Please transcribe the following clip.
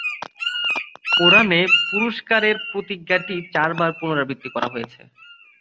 কোরানে পুরস্কারের প্রতিজ্ঞাটি চারবার পুনরাবৃত্তি করা হয়েছে।